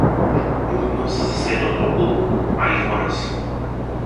Будност за светот околу, а и во нас.